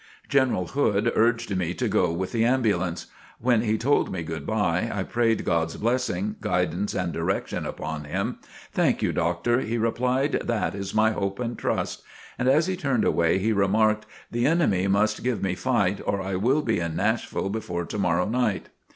General Hood urged me to go with the ambulance. When he told me "Good bye," I prayed God's blessing, guidance and direction upon him. "Thank you, Doctor," he replied, "that is my hope and trust." And as he turned away he remarked: "The enemy must give me fight or I will be in Nashville before to morrow night."